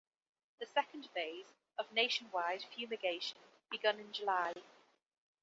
The second phase of nationwide fumigation begun in July.